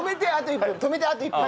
止めてあと１分。